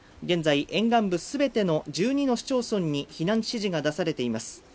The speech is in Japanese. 現在、沿岸部全ての１２の市町村に避難指示が出されています